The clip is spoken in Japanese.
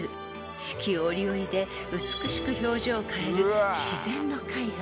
［四季折々で美しく表情を変える自然の絵画］